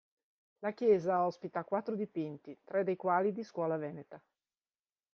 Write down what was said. La chiesa ospita quattro dipinti, tre dei quali di scuola veneta.